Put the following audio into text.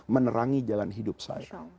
menerangi jalan hidup saya